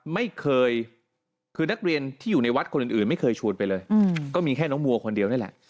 ไม่เคยคือนักเรียนที่อยู่ในวัดคนอื่นไม่เคยชวนไปเลยก็มีแค่น้องวัวคนเดียวนี่แหละ